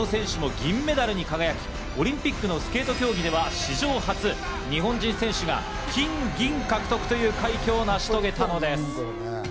手も銀メダルに輝き、オリンピックのスケート競技では史上初、日本人選手が金・銀獲得という快挙を成し遂げたのです。